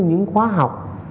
những khóa học